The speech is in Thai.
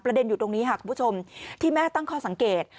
เด็นอยู่ตรงนี้ค่ะคุณผู้ชมที่แม่ตั้งข้อสังเกต